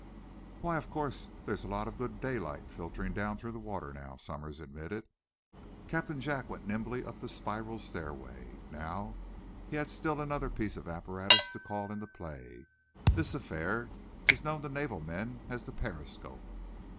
"Why, of course there's a lot of good daylight filtering down through the water now," Somers admitted. Captain Jack went nimbly up the spiral stairway. Now, he had still another piece of apparatus to call into play. This affair is known to naval men as the periscope.